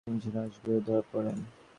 তিনি জিসর আশ-শুগুরে ধরা পড়েন।